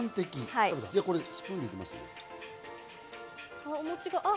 スプーンで行きますね。